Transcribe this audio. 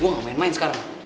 wah gak main main sekarang